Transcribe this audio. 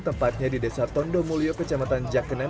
tempatnya di desa tondo mulyo kecamatan jakenen